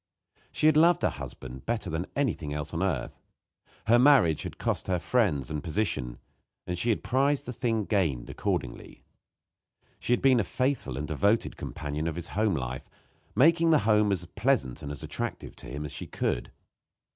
She had loved her husband better than anything else on earth. Her marriage had cost her friends and position, and she had prized the thing gained accordingly. She had been a faithful and devoted companion of his home life, making that home as pleasant and attractive to him as she could.